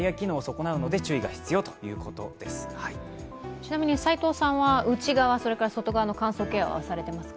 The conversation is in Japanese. ちなみに齋藤さん、内側、外側の乾燥ケアされていますか？